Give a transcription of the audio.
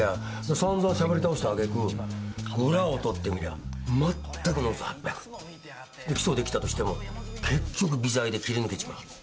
散々しゃべり倒した揚げ句裏を取ってみりゃまったくの嘘八百。起訴できたとしても結局微罪で切り抜けちまう。